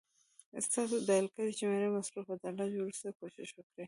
ستاسو ډائل کړې شمېره مصروفه ده، لږ وروسته کوشش وکړئ